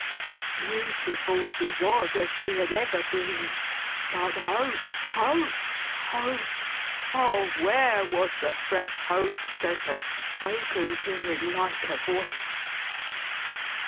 Beautiful she was, as she had ever been, but Hope, Hope, Hope, oh where was the fresh Hope that had spoken to him like a voice!